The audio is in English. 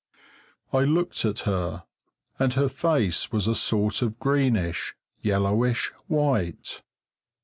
I looked at her, and her face was a sort of greenish, yellowish white.